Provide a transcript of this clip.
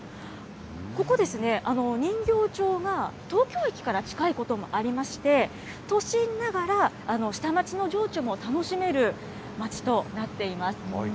ここですね、人形町が東京駅から近いこともありまして、都心ながら下町の情緒も楽しめる町となっています。